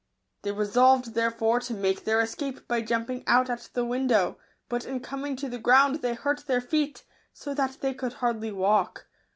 They re solved, therefore, to make their escape by jumping out at the window ; but in coming to the ground they hurt their feet, so that they could hardly walk.